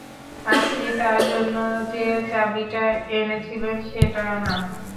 আপনি তার জন্য যে চাবিটা এনেছিলেন সেটা না?